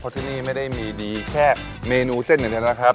ที่นี่ไม่ได้มีดีแค่เมนูเส้นอย่างเดียวนะครับ